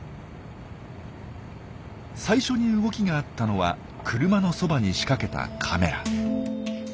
最初に動きがあったのは車のそばに仕掛けたカメラ。